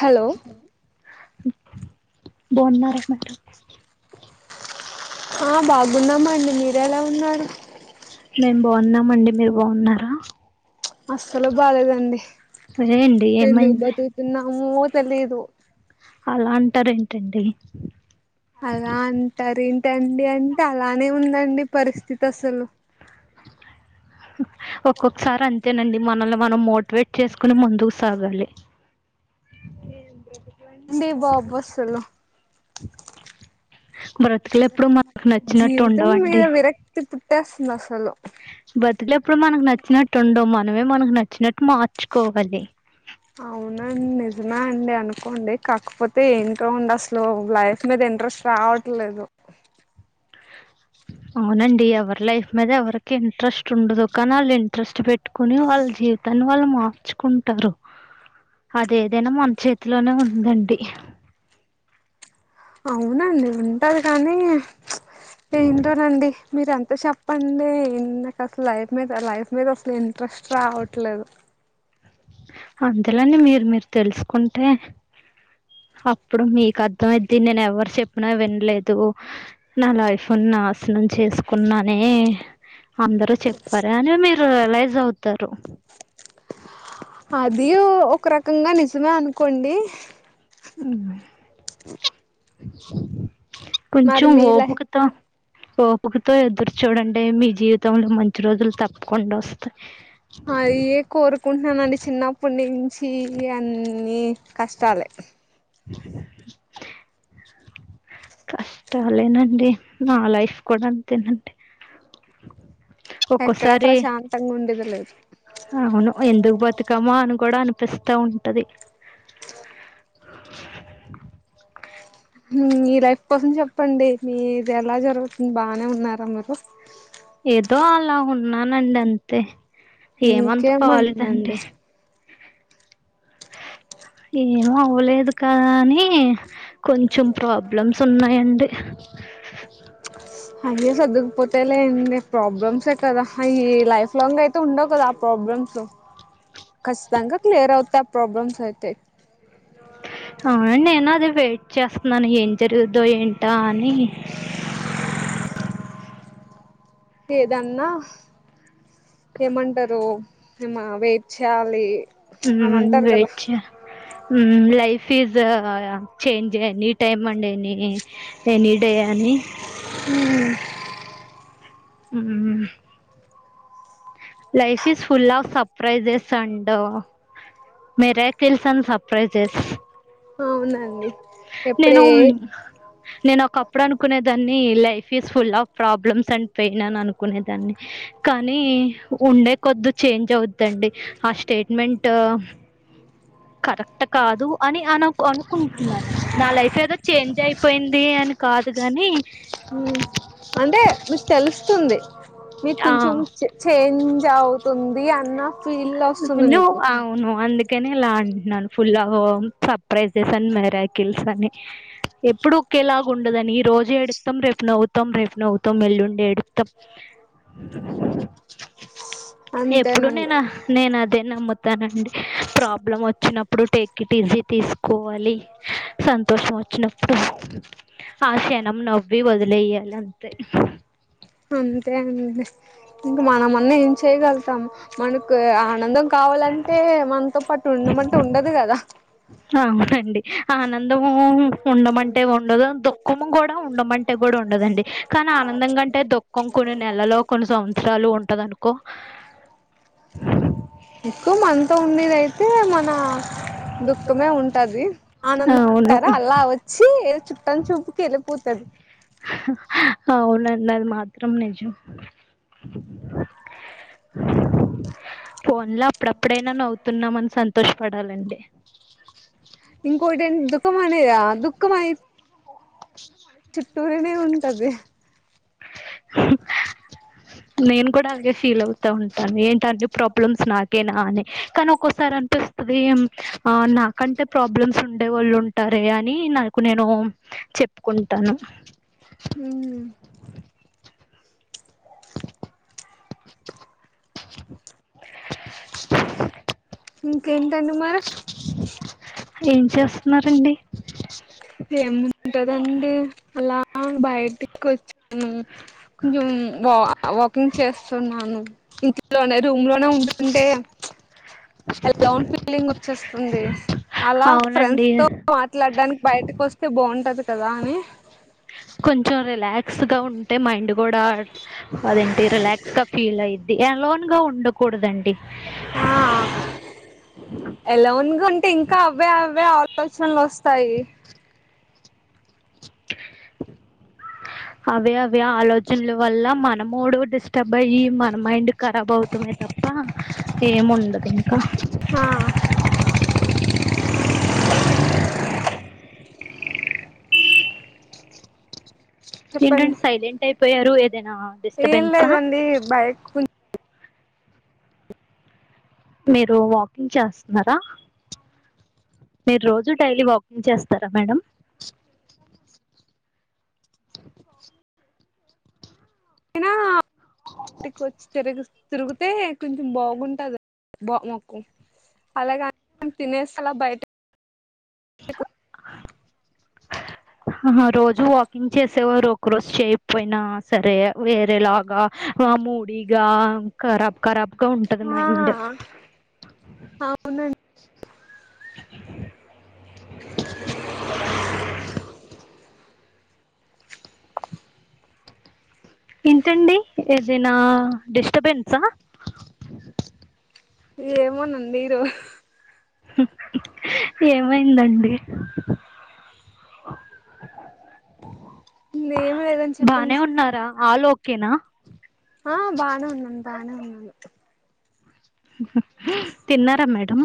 Hello బాగున్నారా madam ఆ బాగున్నామండి మీరు ఎలా ఉన్నారు మేము బాగున్నామండి మీరు బాగున్నారా అస్సలు బాలేదండి అదేండి ఎందుకుబ్ ఏమైంది బతతున్నా ఏమో తెలీదు అలా అంటారు ఏంటండి అలా అంటారు ఏంటండి అంటే అలానే ఉందండి పరిస్థితి అసలు ఒక్కొక్కసారి అంతేనండి మనని మనం మోటివేట్ చేసుకోని ముందుకు సాగాలి అండడి బాబ్బాస్లు బ్రతుకులు ఎప్పుడు మనకు నచ్చినట్టు జీవితం మీద ఉండవండి విరక్తి పుట్టేస్తుంది అసలు బ్రతుకు ఎప్పుడు మనకు నచ్చినట్టు ఉండవు మనమే మనకు నచ్చినట్టు మార్చుకోవాలి అవునండి నిజమా అండి అనుకోండి కాకపోతే ఏంకా ఉండి అసలు లైఫ్ మీద ఇంట్రెస్ట్ రావట్లేదు అవునండి అర్ లైఫ్ మీద ఎవర్కి ఇంట్రెస్ట్ ఉండదు కానీ ఇంట్రెస్ట్ పెట్ పెట్టుకుని వాళ్ళ జీవితాన్ని వాళ్ళు మార్చుకుంటారు అదేదైనా మన చేతిలోనే ఉందండి అవునండి ఉంటది కానీ ఏంటోనండి మీరు ఎంత చెప్పండి నాకు అసలు లైఫ్ మీద లైఫ్ మీద అసలు ఎ ట్రెస్ట్ రావట్లేదు అందులేని మీరు మీరు తెలుసుకుంటే అప్పుడు మీకు అర్థంమైది నేను ఎవరు చెప్పినా వినలేదు నా లైఫ్ నాశనం చేసుకో చెకున్నాని అందరు చెప్పారు అని మీరు రియలైజ్ అవుతారు అది ఒక రకంగా నిజమే అనుకోండి కొంచు మరి మీ లై వోపు కతో ఓపుకతో ఎదురు చూడండి మీ జీవితంలో మంచి రోజులు తప్పకుండా వస్తాయి అయే కోరుకుంటున్నానండి చిన్నప్పటి నుంచి అ అన్ని కష్టాలే కష్టాలేనండి నా లైఫ్ కూడా అంతేనండి ఎక్కడా ఒక్కోసారి ప్రశాంతంగా ఉండేదలా అవును ఎందుకు బతుకమ్ అను కూడా అనిపిస్తా స్థా ఉంటాధి మీ లైఫ్ కోసం చెప్పండి మీది ఎలా జరుగుతుంది బానే ఉన్నారా మీరు అలా ఉన్నానండి అంతే ఏమంతకోలిదండి మీకేమైందండి ఏమో అవ్వలేదు కానీ కొంచెం ప్రాబ్లమ్స్ ఉన్నాయండి అయ సర్దుకుపోతేలేం ప్రాబ్లమ్స్. కదా అవి లైఫ్ లాంగ్ అయితే ఉండవు కదా ఆ ప్రాబ్లమ్స్ ఖచ్చితంగా క్లియర్ అవుతా ప్రాబ్లమ్స్ అయితే ఆ నేను అది వెయిట్ చేస్తున్నాను ఏం జరుగుదో ఏంటి తానీ ఏయ్ ధన్నా ఏమంటారు ఏమ వెయిట్ చేయాలి అని ఉమ్ అంటారు కదా వెయిట్ చేయాలి ఉమ్ జీవితం life is change any time అండి ఎనీ ఎనీ డే అని హ్మ్ ఉమ్ life is full of surprises and మరే తెలుసాను సర్ప్రైజెస్ అవునండి నేను ఎప్పుడే నేను ఒక అప్పుడు అనుకునే దాన్ని life is full of problems and pain అని అనుకునేదాన్ని కానీ ఉండే కొద్దు చేంజ్ అవుద్దండి ఆ స్టేట్మెంట్ కరెక్ట్ కాదు అని అన అనుకుంటున్నాను నా లైఫ్ ఏదో చేంజ్ అయిపోయింది అని కాదు గాని హ్మ్ అంటే మీకు తెలుస్తుంది మీకు ఆ కొంచెం చేంజ్ అవుతుంది అన్న ఫీల్ వస్తుంది మీకు అవును అందు అకేనే ఇలా అంటున్నాను ఫుల్ ఆఫ్ సర్ప్రైజెస్ అని మెరాకిల్స్ అని ఎప్పుడు ఒకక్కేలాగా ఉండదని ఈ రోజుే ఎడుతాం రేపు నవ్వుతాం రేపు నవ్వుతాం వెల్లుండి ఎడుతాం ఎప్పుడు అంతేనడి నేను నేను అదే నమ్ముతానండి ప్రాబ్లం వచ్చినప్పుడు టేక్ ఇట్ ఈజీ తీసుకోవాలి సంతోషం వచ్చినప్పుడు ఆ క్షణం నవ్వి వదిలేయ్యాలి అంతే అంతే అంతే ఇంకా మనమన్న ఏం చేయగలుగుతాము మనకు ఆనందం కావాలంటే మనతో పాటు ఉండమంటే ఉండదు కదా అవునండి ఆనందము ఉండమంటే ఉండదు దుఃఖము కూడా ఉండమంటే కూడా ఉండదండి కానీ ఆనందం కంటే దుఃఖం కొన్ని నెలలో కొన్ని సంవత్సరాలు ఉంటది అనుకో ఎక్కువ మనతో ఉండేదియితే మన దుఃఖమే ఉంటది ఆనందం అవును ఉంటార అలా వచ్చి చుట్టం చూపుకి వెళ్ళిపోతుంది అవునన్నది మాత్రం నిజం ఫోన్ లో అప్పుడప్పుడైనా నవవుతున్నామని సంతోష పడాలండి ఇంకోటి ఏంటి దుఃఖం అద దుఃఖంమయి ఓహ [inaudible] చట్టూరినే ఉంటది హ నేను కూడా అలాగే ఫీల్ అవుతా ఉంటాను ఏంటని ప్రాబ్లమ్స్ నాకే నా అని కానీ ఒక్కోసారి అనిపిస్తుది ఆ నాకంటే ప్రాబ్లమ్స్ ఉండే వాళ్ళు ఉంటారే అని నాకు నేను చెప్పుకుంటా టను మ్మ్ ఇంకేంటండి మార్ ఏం చేస్తున్నారండి ఏముంటదండి అలా బయటికి వచ్చాను కొంచెం వా వాకింగ్ చేస్తున్నాను ఇంట్లోనే రూమ్ లోనే ఉంటుంటే లోన్ ఫీలింగ్ వచ్చేస్తుంది అలా ఫ్రెండ్స్ అవునండి తో మాట్లాడడానికి బయట బాగుంటది కదా అని కొంచెం రిలాక్స్ గా ఉంటే మైండ్ కూడా అదేంటి రిలాక్స్ గా ఫీల్ అయిది అ లోన్ గా ఉండకూడదండి ఆ అలైన్ గా ఉంటే ఇంకా అవే అవే ఆలోచనలు వస్తాయి అవి అవి ఆలోచనలు వల్ల మన మూడు డిష్ అబ్బయయి మన మైండ్ ఖరాబ్ అవుతుమే తప్ప ఏముండదు ఇంకా ఆ చెప్పండి ఏంటండి సైలెంట్ అయిపోయారు ఏదైనా ఏం డిస్టర్బెన్సా లేదండి బైక్ మీరు వాకింగ్ చేస్తున్నారా మీరు రోజు డైలీ వాకింగ్ చేస్తారా మేడం అ ఇటికి వచ్చి తిరు తిరుగితే కొంచెం బాగుంటంది బా మాకు అలాగాని తినేస్త అలా బయట ఆ రోజు వాకింగ్ చేసేవారు ఒక రోజు చేయ పోయినా సరే వేరేలాగా ఆ మూ దిగా ఖరాబ్ ఖరాబ్గా ఉంటది ఆ మైండ్ మ ఏంతండి ఏదైనా డిస్టబెన్సా ఏమోనండి ఇరు ఏమైందండి ఏమి లేదని బానే చెప్పండి ఉన్నారా ఆల్ ఓకేనా ఆ బానే ఉన్నాను బానే ఉన్నాను తిన్నారా మేడమ్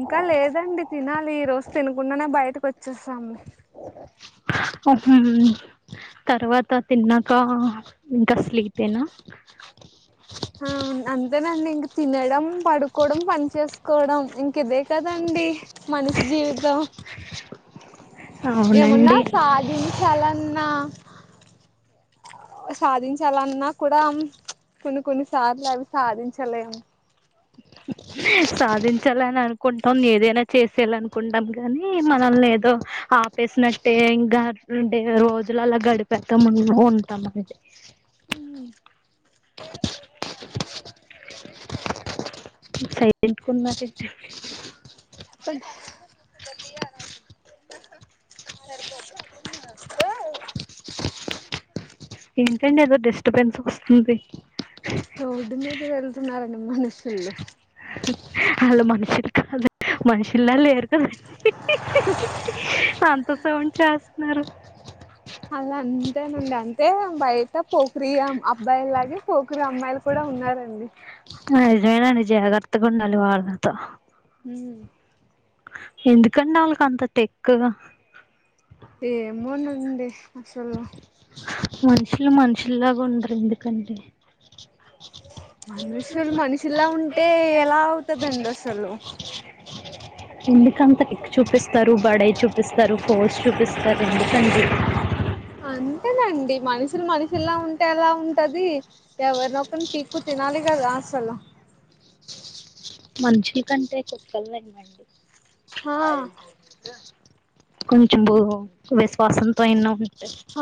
ఇంకా లేదండి పచ్చస్మ ఓహ తర్వాత తిన్నాక ఇంకా అసలితేనా ఆ అంతే అండి ఈగ తినడం పడుకోవడం పని చేసుకోవడం ఇంక ఇదే కదండి మనిషి జీవితం ఏమన్నా అవునండి సాధించాలన్నా సాధించాలన్నా కూడా కొన్ని కొన్ని సార్లు అవి సాధించలేం సాధించాలని అనుకుంటాం ఏదైనా చేసేయాల అనుకుంటాం కానీ మనల్ ఏదో ఆపేసినట్టే ఇంకాండే రోజుల అలా గడిపస్తాం ఉంటాం అన్నది అ [unintelligible] చెప్పండి ఏంటండి ఏదో డెస్ట్బెన్స్ వస్తుంది రోడ్డు మీద వెళ్తున్నారండి మనుషులు ఆల్లు మనుషిలు కాద్ మనుషిలా లేరు కదండి అంత సౌండ్ చేస్తున్నారు అలా అంతేనండి. అంటే బయట పోకరి అబ్బాయిలాగే పోకరి అమ్మాయిలు కూడా ఉన్నారండి నిజమేనండి జాగ్రత్తగా ఉండాలి వాళతో ఊ ఎందుకండి ఆల్లకి అంత టెక్కు ఏమోనండి అసలు మనుషులు మనుషుల్లాగా ఉండరు ఎందుకంటే మనుషులు మనుషుల్లా ఉంటే ఎలా అవుతందండి అసలు ఎందుకంతా చూపిస్తారు బయ చూపి చూపిస్తారు పోస్ట్ చూపిస్తారు ఎందుకండి అంతేనండి మనుషులు మనుషులా ఉంటే అలా ఉంటది ఎవరినొక్కరిని పీక్కు తిన తినాలి కదా అసల్ మనుషుల కంటే కుక్కలు నయం మండి ఆ కొంచెం విశ్వాసంతో అయినా ఉన్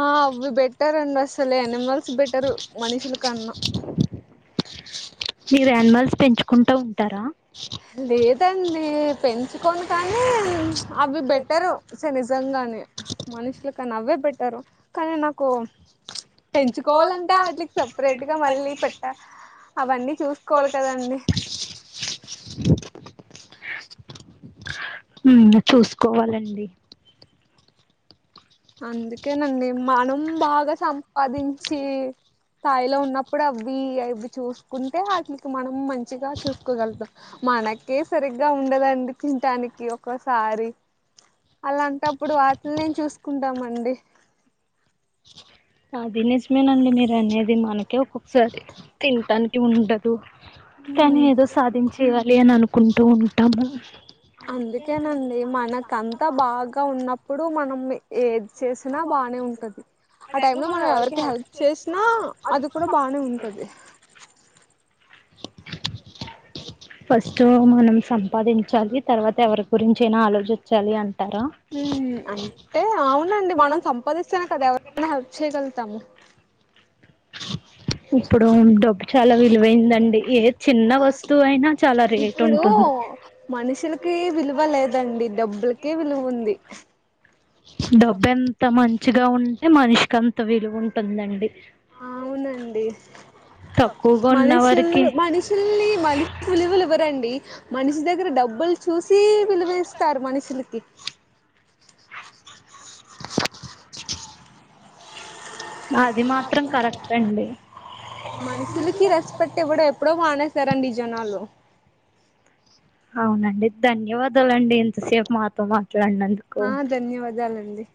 ఆ అవి బెటర్ అండి అసలు యానిమల్స్ బెటరు మనుషుల కన్నా [unintelligible] మీరు యానిమల్స్ పెంచుకుంటా ఉంటరా లేదండి పెంచుకోని కానీ అవి బెటరు నిజంగా కానీ మనుషుల కన్నా అవ్వే బెట్టారు కానీ నాకు పెంచుకోవాలంటే వాటికి సపరేట్ గా మళ్ళీ పెట్ట అవన్నీ చూసుకోవాలి కదండి. ఉమ్ చూసుకోవాలండి అందుకేనండి మనం బాగా సంపాదించి స్తాయిలో ఉన్నప్పుడు అవ్వి అది చూసుకుంటే వాటికి మనం మంచిగా చూసుకోగలుగుతాం మనకే సరిగ్ గ ఉండదు అండి. తింటానికి ఒకోసారి అలాంటప్పుడు వాటిని నేను చూస్ సుకుంటామండి అది నిజమేనండి. మీరు అనేది మనకే ఒక్కొక్కసారి తినటానికి ఉండదు. కానీ ఏదో సాధించేయాలి. అని అనుకుంటూ ఉంటాము. అందుకేనండి మనకంతా బాగా ఉన్నప్పుడు మనం మి ఏది చేసినా బానే ఉంటది ఆ టైమ్ లో మనం ఎవరికి హెల్ప్ చేసినా అది కూడా బానే ఉంటది. ఫస్ట్ మనం సంపాదించాలి. తర్వాత ఎవరి గురించి అయినా ఆలోచించాలి అన్ ఉ అంటే అవునండి మనం సంపాదిస్తేనే కదా ఎవరయినా హెల్ప్ చేయ్యగలుగుతం ఇప్పుడు డబ్ వస్తువు అయినా చాలా రేటు ఇప్పుడు ఉంటుంది మనుషుల కీ విలువ లేదండి. డబ్బులకే విలువ ఉంది. డబ్బు ఎంత మంచిగా ఉంటే మనిషికి అంత విలువ ఉంటుందండి ఆవు అవునండి తక్కువగా మనుషులు ఉన్నవారికి మనుషుల్ని మనిషు విలువలు ఇవ్వరండి. మనిషి దగ్గర డబ్బులు చూసి విలువిస్తారు మనుషులకి అది మాత్రం కరెక్ట్ అండి మనుషులకి రెస్పెట్ ఇవ్వడం ఎప్పుడో మానేశారండి జనాలు అవునండి ధన్యవాదాలండి ఇంతసేపు మాతో మా కే అన్నందుకో ఆ ధన్యవాదాలండి